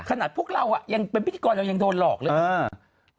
ขนาดพวกเรายังเป็นพิธีกรเรายังโดนหลอกเลย